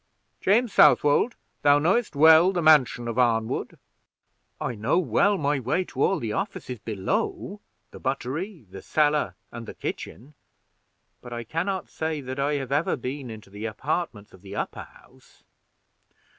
James Southwold, thou knowest well the mansion of Arnwood?" "I know well my way to all the offices below the buttery, the cellar, and the kitchen; but I can not say that I have ever been into the apartments of the upper house."